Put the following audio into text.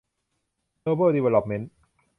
โนเบิล ดีเวลลอปเมนท์